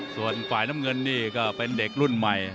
ส่วนฝ่ายน้ำเงินนี่ก็เป็นเด็กรุ่นใหม่